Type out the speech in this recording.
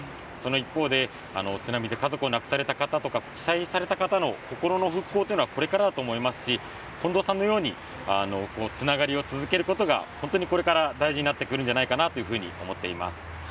その一方で、津波で家族を亡くされた方とか、被災された方の心の復興というのはこれからだと思いますし、近藤さんのように、つながりを続けることが、本当にこれから大事になってくるんじゃないかなというふうに思っています。